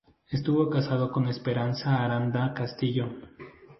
Estuvo casado con Esperanza Aranda Castillo.